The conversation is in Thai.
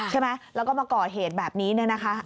ใช่ไหมแล้วก็มาก่อเหตุแบบนี้เนี่ยนะคะ